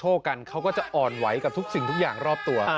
เห็นไหมนับละ